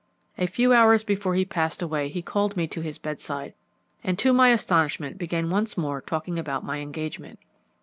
A few hours before he passed away he called me to his bedside, and to my astonishment began once more talking about my engagement.